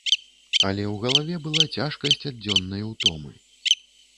Але ў галаве была цяжкасць ад дзённай утомы.